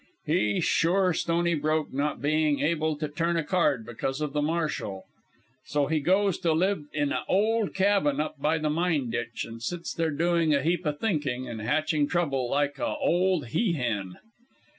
He's sure stony broke, not being able to turn a card because of the marshal. So he goes to live in a ole cabin up by the mine ditch, and sits there doing a heap o' thinking, and hatching trouble like a' ole he hen.